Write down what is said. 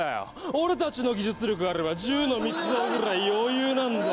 俺たちの技術力があれば銃の密造ぐらい余裕なんだよ。